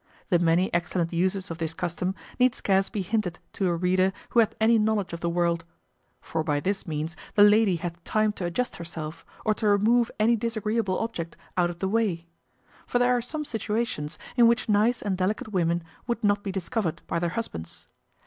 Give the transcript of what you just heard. The many excellent uses of this custom need scarce be hinted to a reader who hath any knowledge of the world; for by this means the lady hath time to adjust herself, or to remove any disagreeable object out of the way; for there are some situations in which nice and delicate women would not be discovered by their husbands.